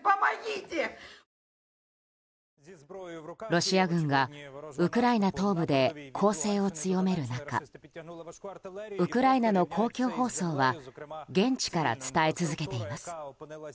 ロシア軍がウクライナ東部で攻勢を強める中ウクライナの公共放送は現地から伝え続けています。